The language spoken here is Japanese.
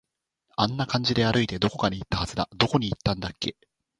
あんな感じで歩いて、どこかに行ったはずだ。どこに行ったんだっけ